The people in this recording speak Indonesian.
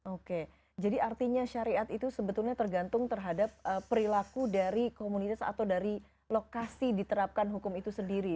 oke jadi artinya syariat itu sebetulnya tergantung terhadap perilaku dari komunitas atau dari lokasi diterapkan hukum itu sendiri